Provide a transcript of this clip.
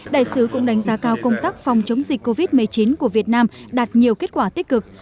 đại sứ cũng đánh giá cao công tác phòng chống dịch covid một mươi chín của việt nam đạt nhiều kết quả tích cực